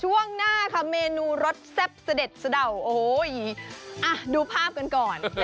ช่วงหน้าค่ะเมนูรสแซ่บเสด็ดสะเดาวโอ้โหดูภาพกันก่อน